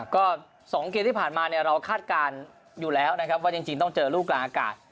ก็๒เกมที่ผ่านมาเนี่ยเราคาดการณ์อยู่แล้วนะครับว่าจริงต้องเจอลูกกลางอากาศ